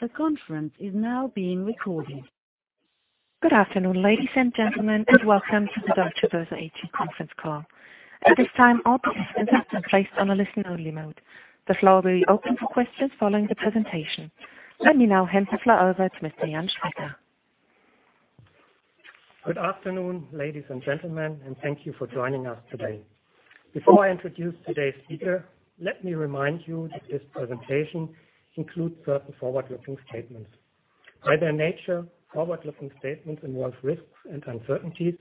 The conference is now being recorded. Good afternoon, ladies and gentlemen, and welcome to the Deutsche Börse M&A conference call. At this time, all participants are placed on a listen-only mode. The floor will be open for questions following the presentation. Let me now hand the floor over to Mr. Jan Strecker. Good afternoon, ladies and gentlemen, and thank you for joining us today. Before I introduce today's speaker, let me remind you that this presentation includes certain forward-looking statements. By their nature, forward-looking statements involve risks and uncertainties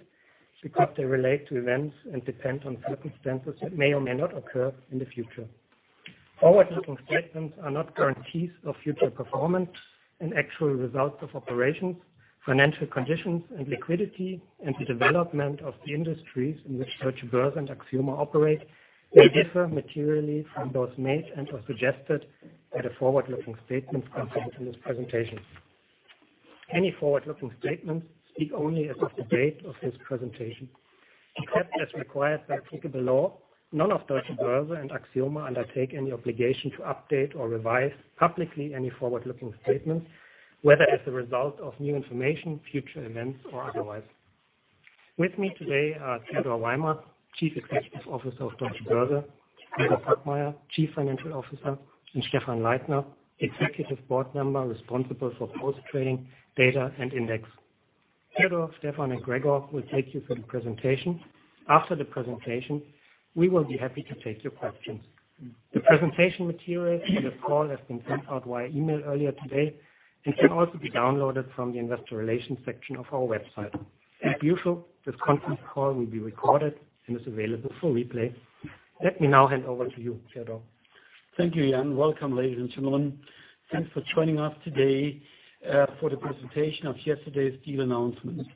because they relate to events and depend on circumstances that may or may not occur in the future. Forward-looking statements are not guarantees of future performance and actual results of operations, financial conditions, and liquidity, and the development of the industries in which Deutsche Börse and Axioma operate may differ materially from those made and/or suggested by the forward-looking statements contained in this presentation. Any forward-looking statements speak only as of the date of this presentation. Except as required by applicable law, none of Deutsche Börse and Axioma undertake any obligation to update or revise publicly any forward-looking statements, whether as a result of new information, future events, or otherwise. With me today are Theodor Weimer, Chief Executive Officer of Deutsche Börse, Gregor Pottmeyer, Chief Financial Officer, and Stephan Leithner, Executive Board Member responsible for post-trading, data, and index. Theodor, Stephan, and Gregor will take you through the presentation. After the presentation, we will be happy to take your questions. The presentation material for the call has been sent out via email earlier today and can also be downloaded from the investor relations section of our website. As usual, this conference call will be recorded and is available for replay. Let me now hand over to you, Theodor. Thank you, Jan. Welcome, ladies and gentlemen. Thanks for joining us today for the presentation of yesterday's deal announcement.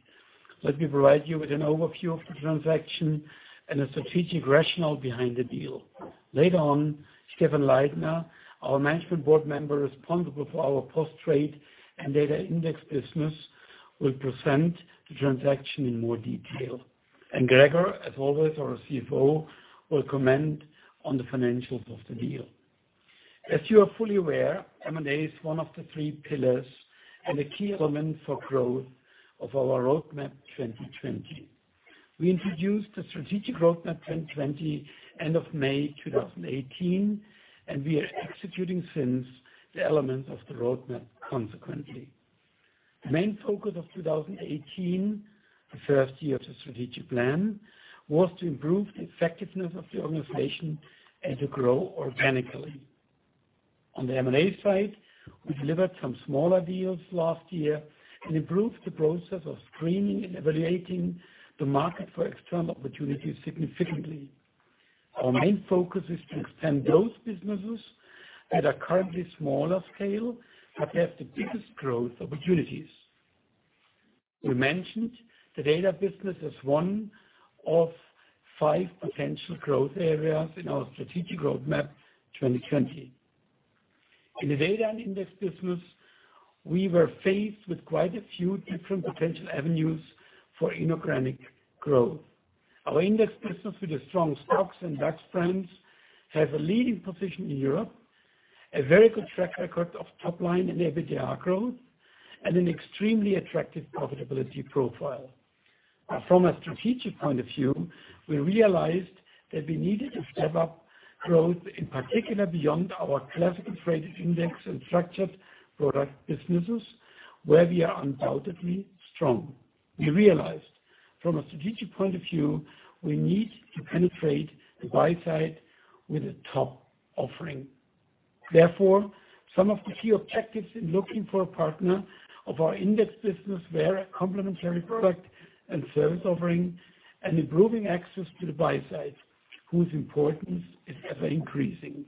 Let me provide you with an overview of the transaction and the strategic rationale behind the deal. Later on, Stephan Leithner, our Management Board Member responsible for our post-trade and data index business, will present the transaction in more detail. And Gregor, as always, our CFO, will comment on the financials of the deal. As you are fully aware, M&A is one of the three pillars and a key element for growth of our Roadmap 2020. We introduced the strategic Roadmap 2020 end of May 2018, and we are executing since the elements of the roadmap consequently. The main focus of 2018, the first year of the strategic plan, was to improve the effectiveness of the organization and to grow organically. On the M&A side, we delivered some smaller deals last year and improved the process of screening and evaluating the market for external opportunities significantly. Our main focus is to extend those businesses that are currently smaller scale, but have the biggest growth opportunities. We mentioned the data business as one of five potential growth areas in our strategic Roadmap 2020. In the data and index business, we were faced with quite a few different potential avenues for inorganic growth. Our index business with the strong STOXX and DAX brands have a leading position in Europe, a very good track record of top line and EBITDA growth, and an extremely attractive profitability profile. From a strategic point of view, we realized that we needed to step up growth, in particular beyond our classical traded index and structured product businesses, where we are undoubtedly strong. We realized from a strategic point of view, we need to penetrate the buy side with a top offering. Therefore, some of the key objectives in looking for a partner of our index business were a complementary product and service offering and improving access to the buy side, whose importance is ever-increasing.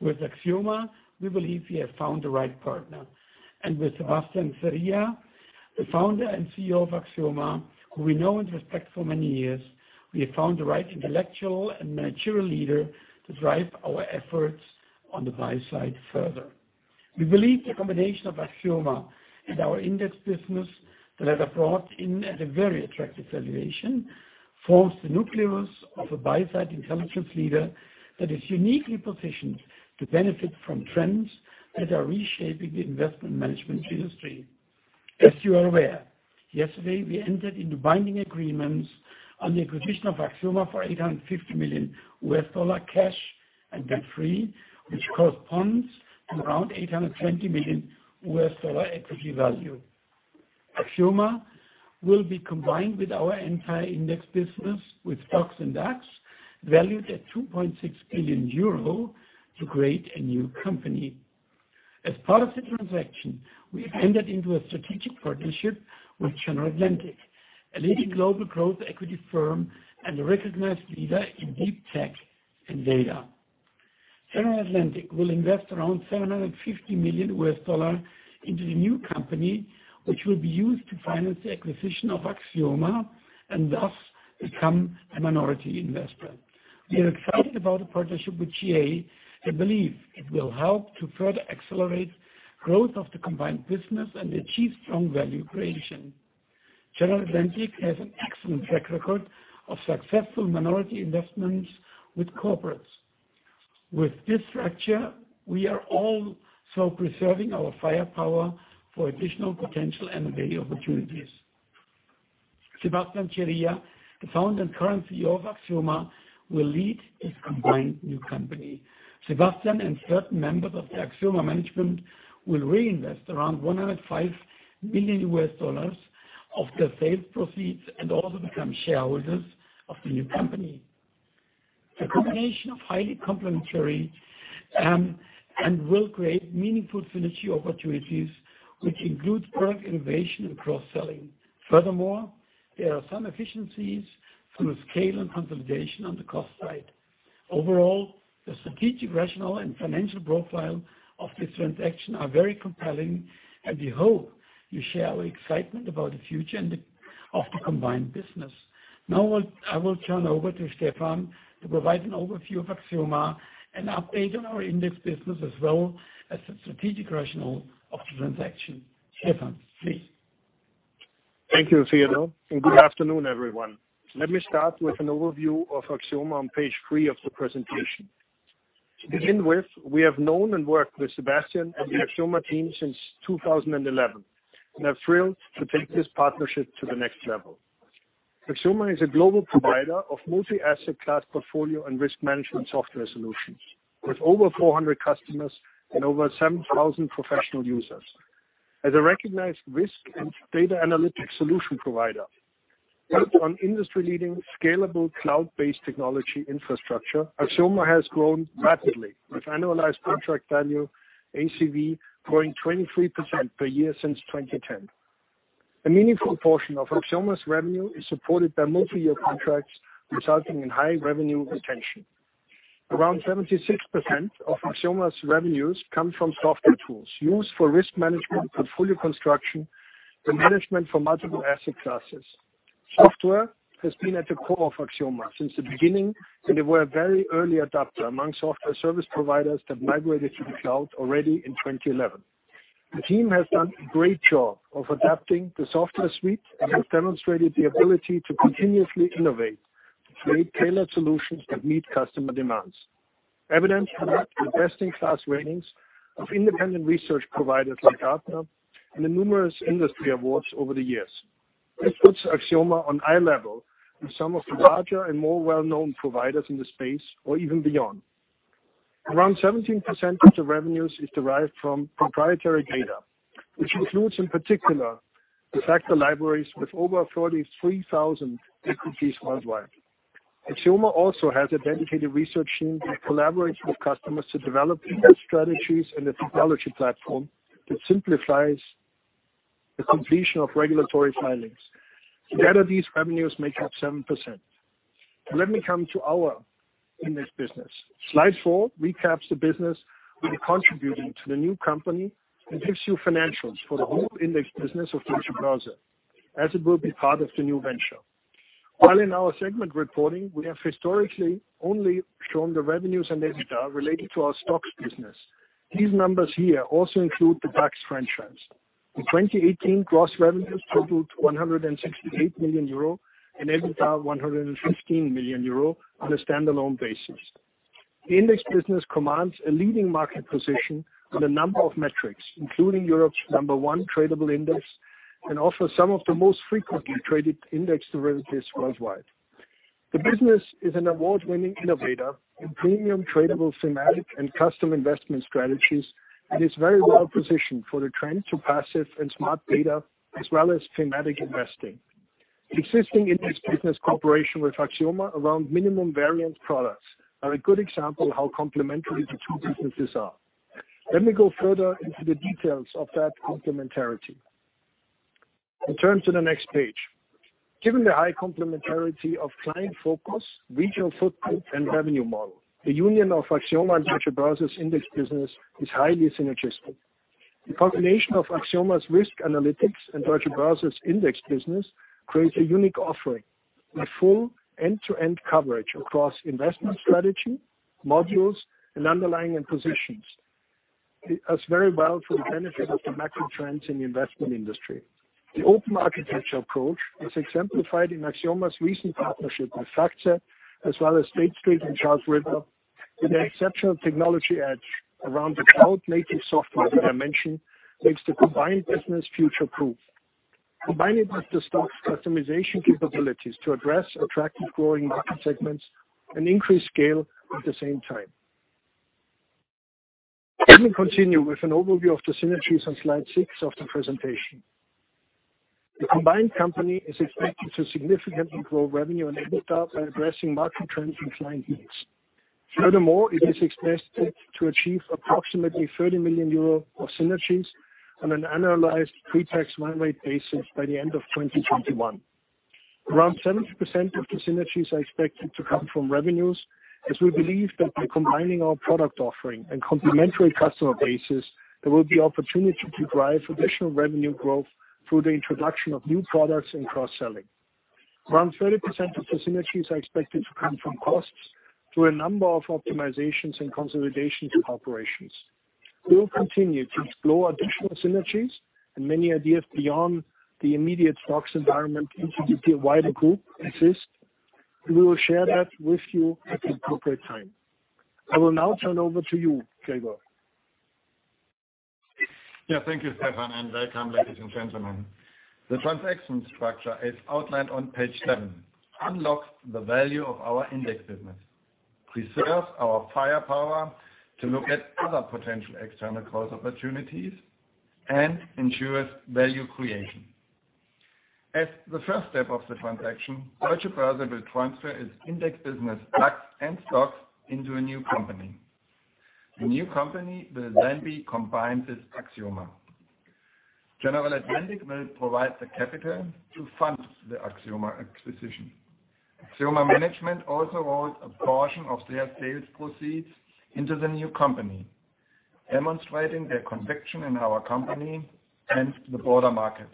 With Axioma, we believe we have found the right partner. With Sebastian Ceria, the Founder and Chief Executive Officer of Axioma, who we know and respect for many years, we have found the right intellectual and mature leader to drive our efforts on the buy side further. We believe the combination of Axioma and our index business that are brought in at a very attractive valuation, forms the nucleus of a buy-side intelligence leader that is uniquely positioned to benefit from trends that are reshaping the investment management industry. As you are aware, yesterday we entered into binding agreements on the acquisition of Axioma for $850 million cash and debt-free, which corresponds to around $820 million equity value. Axioma will be combined with our entire index business with STOXX and DAX valued at 2.6 billion euro to create a new company. As part of the transaction, we have entered into a strategic partnership with General Atlantic, a leading global growth equity firm and a recognized leader in deep tech and data. General Atlantic will invest around $750 million into the new company, which will be used to finance the acquisition of Axioma and thus become a minority investment. We are excited about the partnership with GA and believe it will help to further accelerate growth of the combined business and achieve strong value creation. General Atlantic has an excellent track record of successful minority investments with corporates. With this structure, we are also preserving our firepower for additional potential M&A opportunities. Sebastian Ceria, the Founder and Chief Executive Officer of Axioma, will lead this combined new company. Sebastian and certain members of the Axioma management will reinvest around $105 million of the sales proceeds and also become shareholders of the new company. The combination of highly complementary, and will create meaningful synergy opportunities, which include product innovation and cross-selling. Furthermore, there are some efficiencies from the scale and consolidation on the cost side. Overall, the strategic rationale and financial profile of this transaction are very compelling, and we hope you share our excitement about the future of the combined business. I will turn over to Stephan to provide an overview of Axioma and update on our index business as well as the strategic rationale of the transaction. Stephan, please. Thank you, Theodor, and good afternoon, everyone. Let me start with an overview of Axioma on page three of the presentation. To begin with, we have known and worked with Sebastian and the Axioma team since 2011, and are thrilled to take this partnership to the next level. Axioma is a global provider of multi-asset class portfolio and risk management software solutions, with over 400 customers and over 7,000 professional users. As a recognized risk and data analytics solution provider built on industry-leading scalable cloud-based technology infrastructure, Axioma has grown rapidly, with annualized contract value, ACV, growing 23% per year since 2010. A meaningful portion of Axioma's revenue is supported by multi-year contracts, resulting in high revenue retention. Around 76% of Axioma's revenues come from software tools used for risk management, portfolio construction, and management for multiple asset classes. Software has been at the core of Axioma since the beginning, and they were a very early adopter among software service providers that migrated to the cloud already in 2011. The team has done a great job of adapting the software suite and has demonstrated the ability to continuously innovate, to create tailored solutions that meet customer demands. Evidence for that, the best-in-class ratings of independent research providers like Gartner and the numerous industry awards over the years. This puts Axioma on eye level with some of the larger and more well-known providers in the space or even beyond. Around 17% of the revenues is derived from proprietary data, which includes, in particular, the Factor libraries with over 43,000 equities worldwide. Axioma also has a dedicated research team that collaborates with customers to develop investment strategies and a technology platform that simplifies the completion of regulatory filings. Together, these revenues make up 7%. Let me come to our index business. Slide four recaps the business will be contributing to the new company and gives you financials for the whole index business of Deutsche Börse, as it will be part of the new venture. While in our segment reporting, we have historically only shown the revenues and EBITDA related to our STOXX business. These numbers here also include the DAX franchise. In 2018, gross revenues totaled 168 million euro and EBITDA 115 million euro on a standalone basis. The index business commands a leading market position on a number of metrics, including Europe's number one tradable index, and offers some of the most frequently traded index derivatives worldwide. The business is an award-winning innovator in premium tradable thematic and custom investment strategies and is very well positioned for the trend to passive and smart beta, as well as thematic investing. Existing index business cooperation with Axioma around minimum variance products are a good example how complementary the two businesses are. Let me go further into the details of that complementarity. We turn to the next page. Given the high complementarity of client focus, regional footprint, and revenue model, the union of Axioma and Deutsche Börse's index business is highly synergistic. The combination of Axioma's risk analytics and Deutsche Börse's index business creates a unique offering with full end-to-end coverage across investment strategy, modules, and underlying and positions. It adds very well to the benefit of the macro trends in the investment industry. The open architecture approach is exemplified in Axioma's recent partnership with FactSet as well as State Street and Charles River, with an exceptional technology edge around the cloud-native software that I mentioned makes the combined business future-proof. Combined with the STOXX customization capabilities to address attractive growing market segments and increase scale at the same time. Let me continue with an overview of the synergies on slide six of the presentation. The combined company is expected to significantly grow revenue and EBITDA by addressing market trends and client needs. Furthermore, it is expected to achieve approximately 30 million euro of synergies on an annualized pre-tax run rate basis by the end of 2021. Around 70% of the synergies are expected to come from revenues, as we believe that by combining our product offering and complementary customer bases, there will be opportunity to drive additional revenue growth through the introduction of new products and cross-selling. Around 30% of the synergies are expected to come from costs through a number of optimizations and consolidation to operations. We will continue to explore additional synergies and many ideas beyond the immediate STOXX environment introduced a wider group exist. We will share that with you at the appropriate time. I will now turn over to you, Gregor. Thank you, Stephan, and welcome, ladies and gentlemen. The transaction structure, as outlined on page seven, unlocks the value of our index business, preserves our firepower to look at other potential external growth opportunities, and ensures value creation. As the first step of the transaction, Deutsche Börse will transfer its index business, DAX, and STOXX into a new company. The new company will then be combined with Axioma. General Atlantic will provide the capital to fund the Axioma acquisition. Axioma management also holds a portion of their sales proceeds into the new company, demonstrating their conviction in our company and the broader market.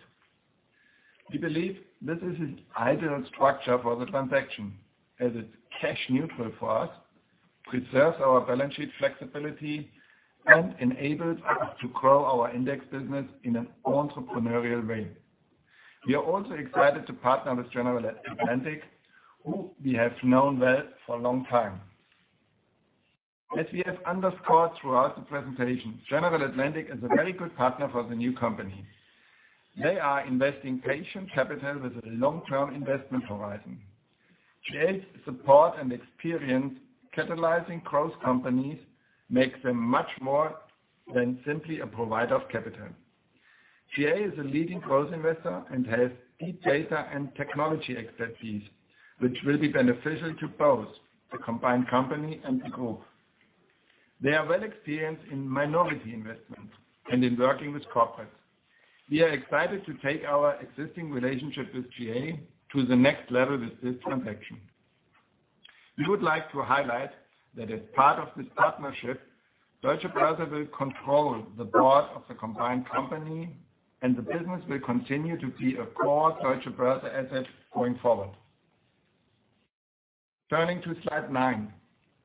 We believe this is an ideal structure for the transaction as it's cash neutral for us, preserves our balance sheet flexibility, and enables us to grow our index business in an entrepreneurial way. We are also excited to partner with General Atlantic, who we have known well for a long time. As we have underscored throughout the presentation, General Atlantic is a very good partner for the new company. They are investing patient capital with a long-term investment horizon. GA's support and experience catalyzing growth companies makes them much more than simply a provider of capital. GA is a leading growth investor and has deep data and technology expertise, which will be beneficial to both the combined company and the group. They are well experienced in minority investment and in working with corporates. We are excited to take our existing relationship with GA to the next level with this transaction. We would like to highlight that as part of this partnership, Deutsche Börse will control the board of the combined company, and the business will continue to be a core Deutsche Börse asset going forward. Turning to slide nine.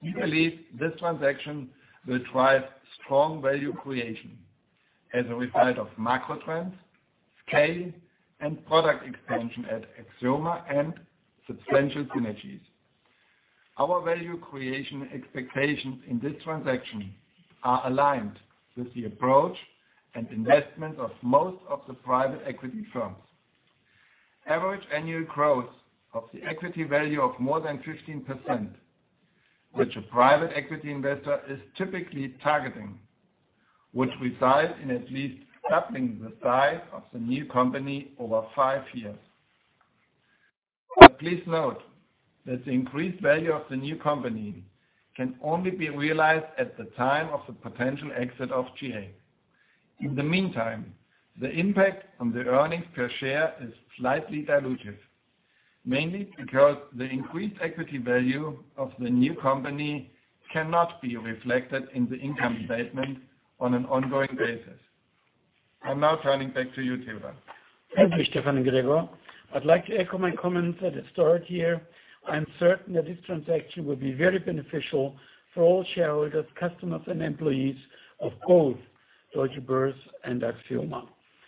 We believe this transaction will drive strong value creation as a result of macro trends, scale, and product expansion at Axioma, and substantial synergies. Our value creation expectations in this transaction are aligned with the approach and investment of most of the private equity firms. Average annual growth of the equity value of more than 15%, which a private equity investor is typically targeting, which results in at least doubling the size of the new company over five years. Please note that the increased value of the new company can only be realized at the time of the potential exit of GA. In the meantime, the impact on the earnings per share is slightly dilutive, mainly because the increased equity value of the new company cannot be reflected in the income statement on an ongoing basis. I am now turning back to you, Theodore. Thank you, Stephan and Gregor. I would like to echo my comments at the start here. I am certain that this transaction will be very beneficial for all shareholders, customers, and employees of both Deutsche Börse and Axioma.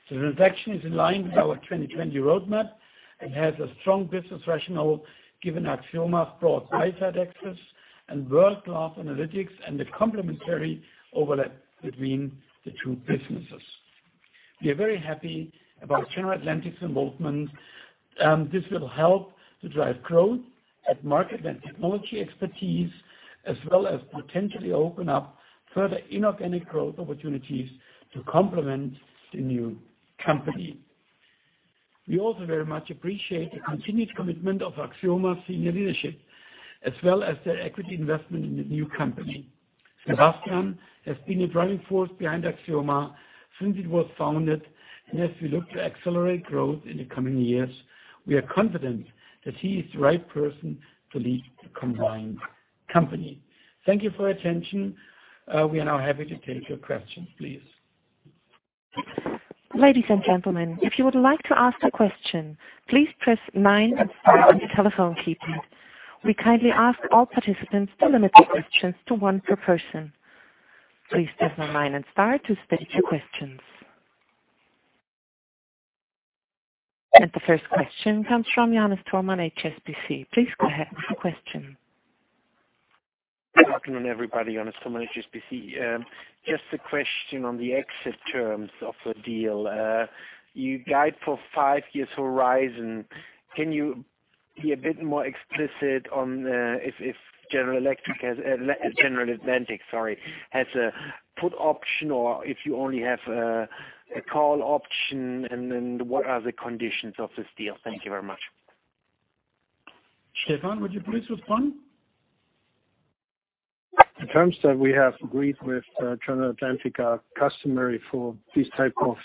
The transaction is in line with our Roadmap 2020 and has a strong business rationale given Axioma's broad buy-side access and world-class analytics, and the complementary overlap between the two businesses. This will help to drive growth at market and technology expertise, as well as potentially open up further inorganic growth opportunities to complement the new company. We also very much appreciate the continued commitment of Axioma's senior leadership, as well as their equity investment in the new company. Sebastian has been a driving force behind Axioma since it was founded. As we look to accelerate growth in the coming years, we are confident that he is the right person to lead the combined company. Thank you for your attention. We are now happy to take your questions, please. Ladies and gentlemen, if you would like to ask a question, please press nine and star on your telephone keypad. We kindly ask all participants to limit their questions to one per person. Please press nine and star to state your questions. The first question comes from Yannis Tormann, HSBC. Please go ahead with your question. Good afternoon, everybody. Yannis Tormann, HSBC. Just a question on the exit terms of the deal. You guide for five years horizon. Can you be a bit more explicit on if General Atlantic has a put option or if you only have a call option, and then what are the conditions of this deal? Thank you very much. Stephan, would you please respond? The terms that we have agreed with General Atlantic are customary for these type of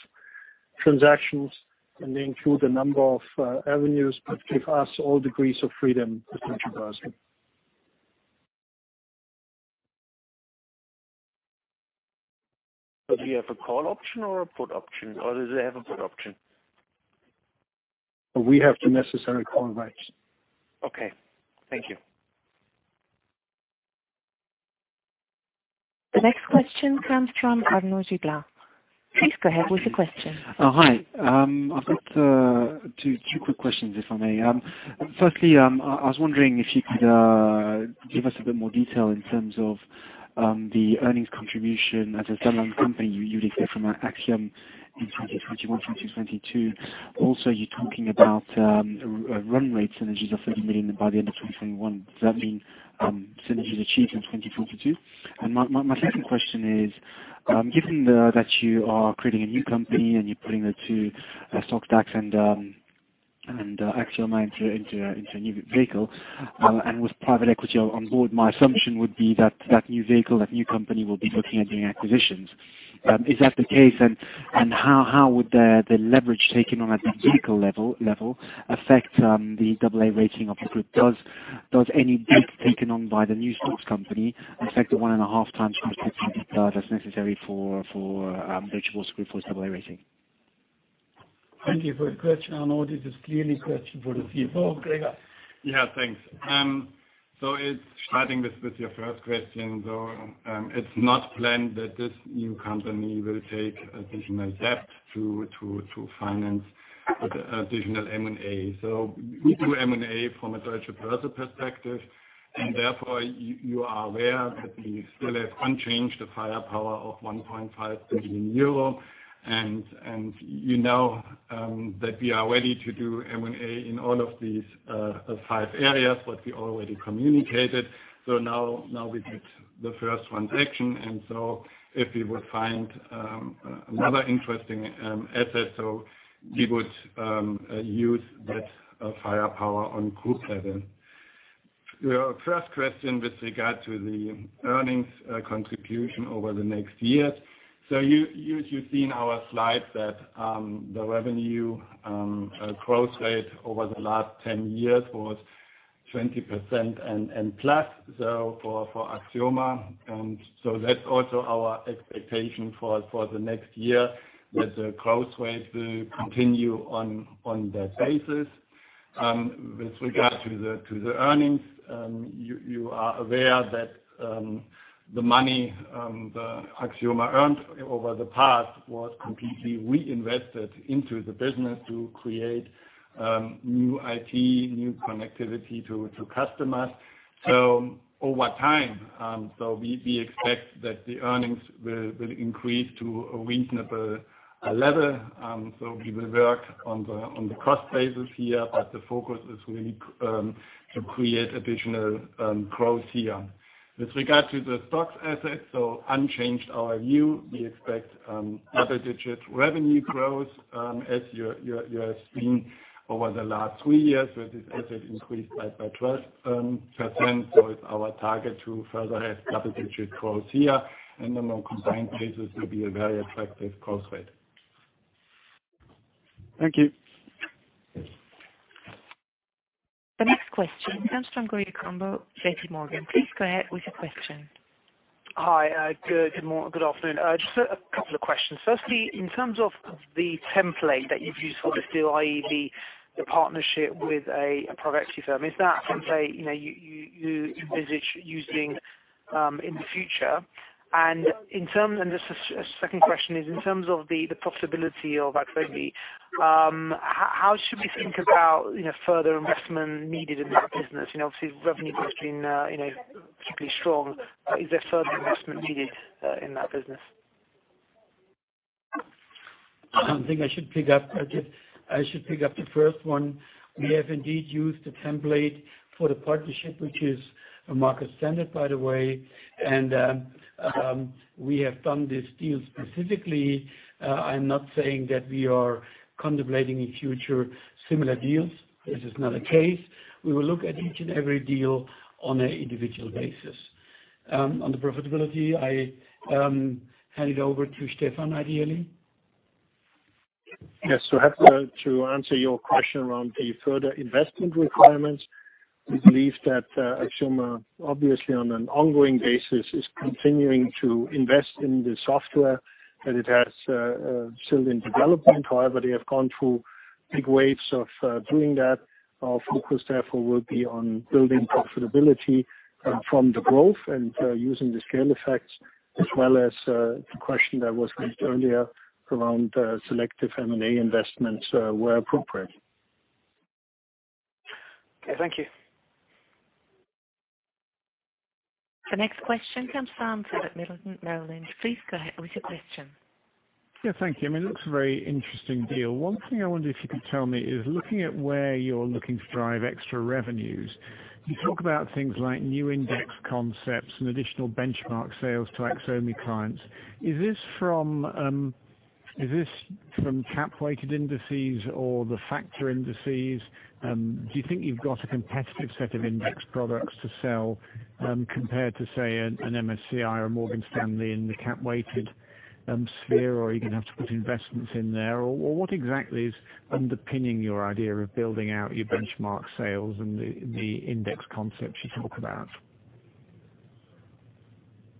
transactions, and they include a number of avenues but give us all degrees of freedom with Deutsche Börse. Do we have a call option or a put option, or do they have a put option? We have the necessary call rights. Okay. Thank you. The next question comes from Arnaud Giblat. Please go ahead with the question. Hi. I've got two quick questions, if I may. Firstly, I was wondering if you could give us a bit more detail in terms of the earnings contribution as a standalone company you'd expect from Axioma in 2021, 2022. Also, you're talking about run rate synergies of 30 million by the end of 2021. Does that mean synergies achieved in 2022? My second question is, given that you are creating a new company and you're putting the two, STOXX and Axioma into a new vehicle, and with private equity on board, my assumption would be that that new vehicle, that new company, will be looking at doing acquisitions. Is that the case, and how would the leverage taken on at the vehicle level affect the AA rating of the group? Does any debt taken on by the new STOXX company affect the one and a half times debt that's necessary for Deutsche Börse Group for its AA rating? Thank you for the question, Arnaud. This is clearly a question for the CFO. Gregor? Yeah, thanks. Starting with your first question, though, it's not planned that this new company will take additional debt to finance additional M&A. We do M&A from a Deutsche Börse perspective, and therefore, you are aware that we still have unchanged the firepower of 1.5 billion euro, and you know that we are ready to do M&A in all of these five areas that we already communicated. Now we did the first one, Axioma, if we would find another interesting asset, we would use that firepower on group level. Your first question with regard to the earnings contribution over the next years. You've seen our slide that the revenue growth rate over the last 10 years was 20% and plus, for Axioma, that's also our expectation for the next year, that the growth rate will continue on that basis. With regard to the earnings, you are aware that the money that Axioma earned over the past was completely reinvested into the business to create new IT, new connectivity to customers. Over time, we expect that the earnings will increase to a reasonable level. We will work on the cost basis here, but the focus is really to create additional growth here. With regard to the STOXX assets, unchanged our view. We expect double-digit revenue growth. As you have seen over the last three years, this asset increased by 12%, it's our target to further have double-digit growth here, and on a combined basis will be a very attractive growth rate. Thank you. The next question comes from Gautam Goyal, JPMorgan. Please go ahead with your question. Hi. Good morning. Good afternoon. Just a couple of questions. Firstly, in terms of the template that you've used for this deal, i.e., the partnership with a private equity firm, is that something you envisage using in the future? The second question is, in terms of the profitability of Axioma, how should we think about further investment needed in that business? Obviously, revenue growth has been particularly strong. Is there further investment needed in that business? I think I should pick up the first one. We have indeed used the template for the partnership, which is a market standard, by the way. We have done this deal specifically. I'm not saying that we are contemplating any future similar deals. This is not a case. We will look at each and every deal on an individual basis. On the profitability, I hand it over to Stephan, ideally. Yes. I have to answer your question around the further investment requirements. We believe that Axioma, obviously on an ongoing basis, is continuing to invest in the software that it has still in development. However, they have gone through big waves of doing that. Our focus, therefore, will be on building profitability from the growth and using the scale effects as well as the question that was asked earlier around selective M&A investments where appropriate. Okay. Thank you. The next question comes from Philip Middleton. Please go ahead with your question. Yeah, thank you. It looks a very interesting deal. One thing I wonder if you could tell me is looking at where you're looking to drive extra revenues, you talk about things like new index concepts and additional benchmark sales to Axioma clients. Is this from cap-weighted indices or the factor indices? Do you think you've got a competitive set of index products to sell compared to, say, an MSCI or a Morgan Stanley in the cap-weighted sphere? Are you going to have to put investments in there? What exactly is underpinning your idea of building out your benchmark sales and the index concepts you talk about?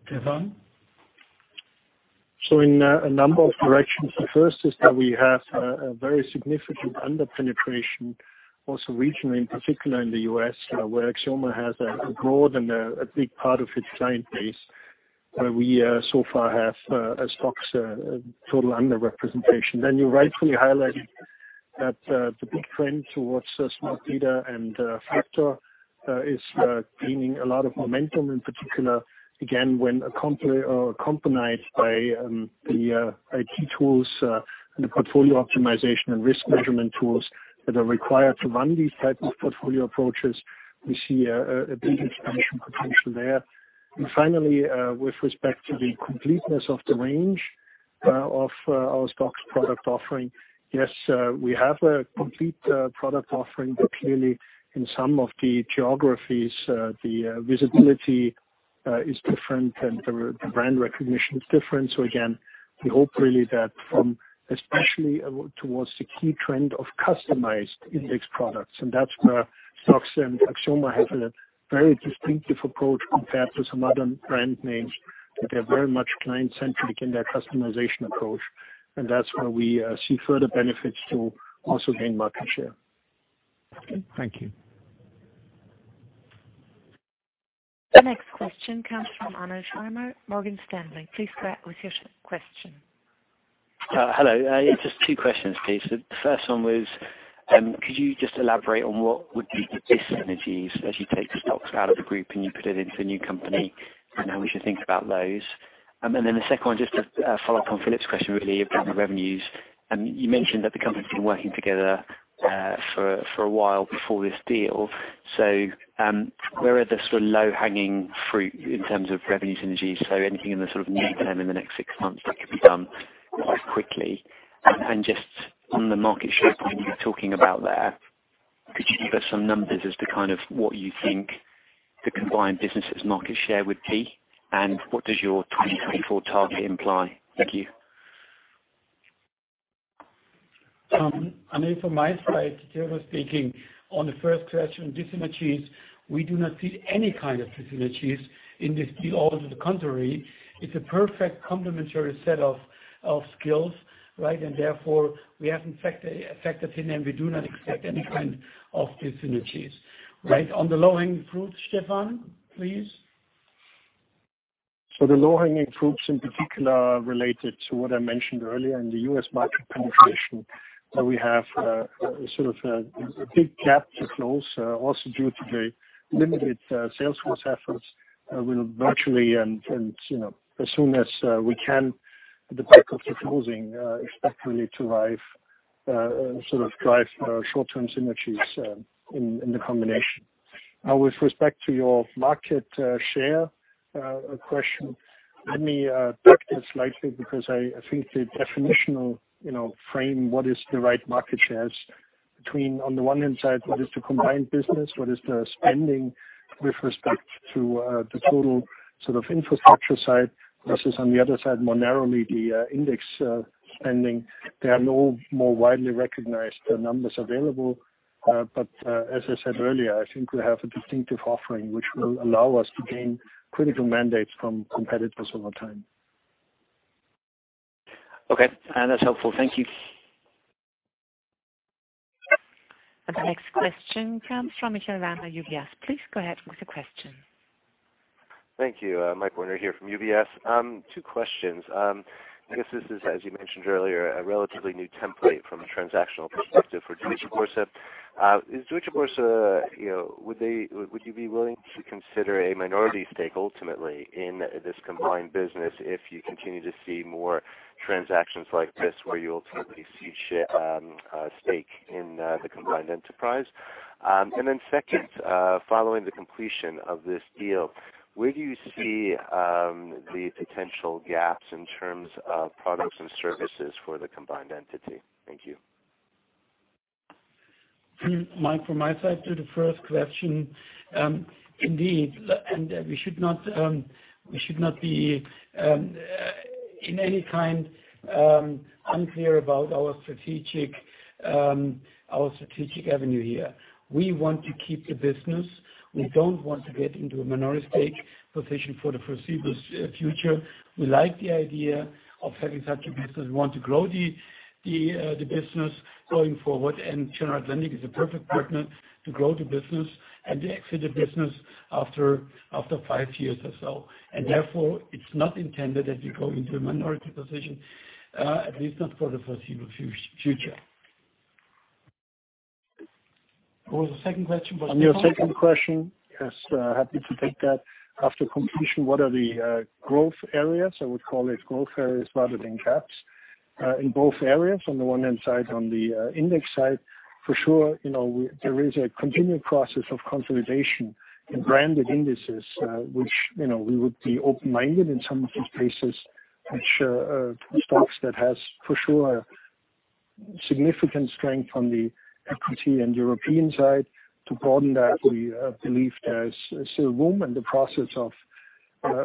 Stephan? In a number of directions, the first is that we have a very significant under-penetration also regionally, in particular in the U.S., where Axioma has a broad and a big part of its client base, where we so far have a STOXX total under-representation. You rightfully highlighted that the big trend towards smart beta and factor is gaining a lot of momentum in particular, again, when accompanied by the IT tools and the portfolio optimization and risk measurement tools that are required to run these types of portfolio approaches. We see a big expansion potential there. Finally, with respect to the completeness of the range of our STOXX product offering, yes, we have a complete product offering, but clearly in some of the geographies, the visibility is different and the brand recognition is different. Again, we hope really that from especially towards the key trend of customized index products, and that's where STOXX and Axioma have a very distinctive approach compared to some other brand names, that they're very much client-centric in their customization approach. That's where we see further benefits to also gain market share. Okay. Thank you. The next question comes from Anuj Sharma, Morgan Stanley. Please go ahead with your question. Hello. Just two questions, please. The first one was, could you just elaborate on what would be the dyssynergies as you take STOXX out of the group and you put it into the new company, and how we should think about those? The second one, just to follow up on Philip's question, really, about the revenues. You mentioned that the company's been working together for a while before this deal. Where are the low-hanging fruit in terms of revenue synergies? Anything in the near term in the next six months that could be done quite quickly? On the market share point you were talking about there, could you give us some numbers as to what you think the combined business' market share would be, and what does your 2024 target imply? Thank you. Anuj, from my side, generally speaking, on the first question, dyssynergies, we do not see any kind of dyssynergies in this deal. On the contrary, it's a perfect complementary set of skills, right? Therefore, we have in fact affected him, and we do not expect any kind of dyssynergies. Right, on the low-hanging fruit, Stephan, please. The low-hanging fruits in particular are related to what I mentioned earlier in the U.S. market penetration, where we have a big gap to close, also due to the limited sales force efforts, as soon as we can, the bulk of the closing expect really to drive short-term synergies in the combination. With respect to your market share question, let me tack this slightly because I think the definitional frame, what is the right market shares between, on the one hand side, what is the combined business, what is the spending with respect to the total infrastructure side, versus on the other side, more narrowly the index spending. There are no more widely recognized numbers available. As I said earlier, I think we have a distinctive offering which will allow us to gain critical mandates from competitors over time. Okay. That's helpful. Thank you. The next question comes from Michael Werner, UBS. Please go ahead with the question. Thank you. Mike Werner here from UBS. Two questions. I guess this is, as you mentioned earlier, a relatively new template from a transactional perspective for Deutsche Börse. Is Deutsche Börse, would you be willing to consider a minority stake ultimately in this combined business if you continue to see more transactions like this where you ultimately see stake in the combined enterprise? Second, following the completion of this deal, where do you see the potential gaps in terms of products and services for the combined entity? Thank you. Mike, from my side to the first question, indeed, and we should not be in any kind, unclear about our strategic avenue here. We want to keep the business. We don't want to get into a minority stake position for the foreseeable future. We like the idea of having such a business. We want to grow the business going forward, and General Atlantic is a perfect partner to grow the business and to exit the business after five years or so. It's not intended that we go into a minority position, at least not for the foreseeable future. What was the second question? On your second question, yes, happy to take that. After completion, what are the growth areas, I would call it growth areas rather than gaps. In both areas, on the one hand side, on the index side, for sure, there is a continuing process of consolidation in branded indices, which we would be open-minded in some of these cases, which, STOXX that has for sure significant strength on the equity and European side. To broaden that, we believe there is still room in the process of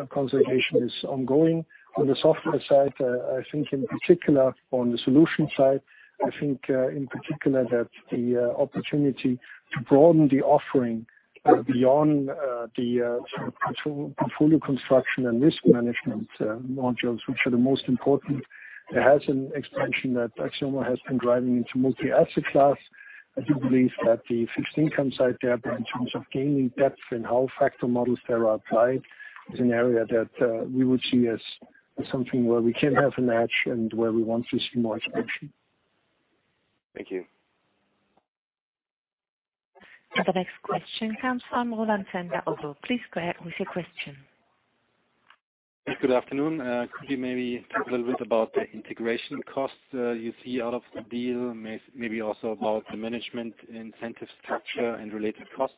consultation is ongoing on the software side. I think in particular on the solution side, I think in particular that the opportunity to broaden the offering beyond the portfolio construction and risk management modules, which are the most important. There has an expansion that Axioma has been driving into multi-asset class. I do believe that the fixed income side there, but in terms of gaining depth in how factor models there are applied, is an area that we would see as something where we can have a match and where we want to see more expansion. Thank you. The next question comes from Roland Zander, Oddo. Please go ahead with your question. Good afternoon. Could you maybe talk a little bit about the integration costs you see out of the deal? Maybe also about the management incentive structure and related costs.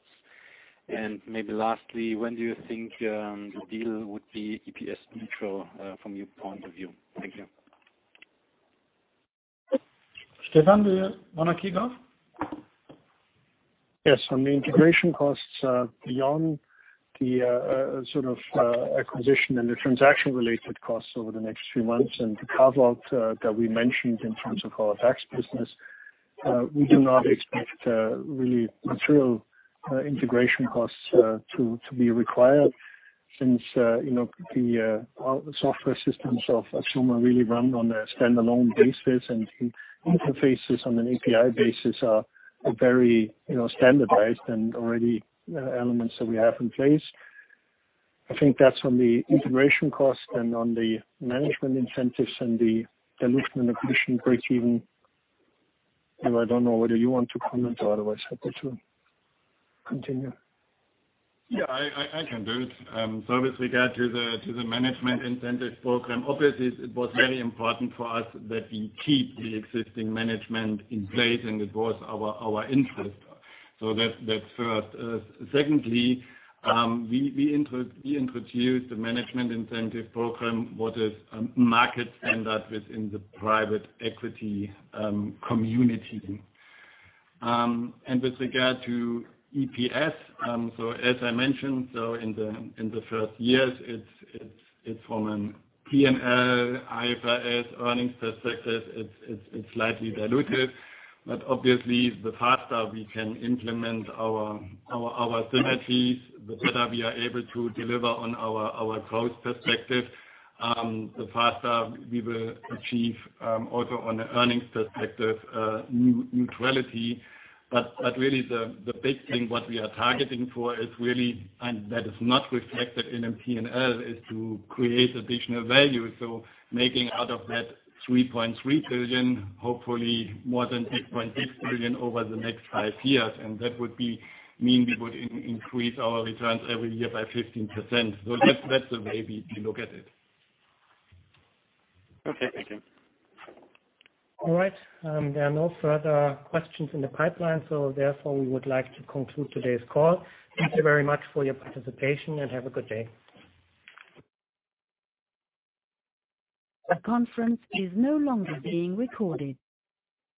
Maybe lastly, when do you think the deal would be EPS neutral from your point of view? Thank you. Stephan, do you want to kick off? Yes, on the integration costs beyond the sort of acquisition and the transaction related costs over the next few months and the carve-out that we mentioned in terms of our DAX business, we do not expect really material integration costs to be required since the software systems of Axioma really run on a standalone basis, and the interfaces on an API basis are very standardized and already elements that we have in place. I think that's on the integration cost and on the management incentives and the dilution and acquisition breakeven. Gregor, I don't know whether you want to comment or otherwise happy to continue. Yeah, I can do it. As we get to the management incentive program, obviously it was very important for us that we keep the existing management in place, and it was our interest. That's first. Secondly, we introduced the management incentive program what is market standard within the private equity community. With regard to EPS, as I mentioned, in the first years it's from an P&L, IFRS earnings perspective, it's slightly diluted. Obviously the faster we can implement our synergies, the better we are able to deliver on our growth perspective, the faster we will achieve also on the earnings perspective, neutrality. Really the big thing, what we are targeting for is really, and that is not reflected in a P&L, is to create additional value. Making out of that 3.3 billion, hopefully more than 6.6 billion over the next five years. That would mean we would increase our returns every year by 15%. That's the way we look at it. Okay. Thank you. All right. There are no further questions in the pipeline, so therefore we would like to conclude today's call. Thank you very much for your participation, and have a good day. The conference is no longer being recorded.